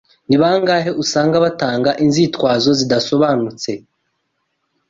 Ni bangahe usanga batanga inzitwazo zidasobanutse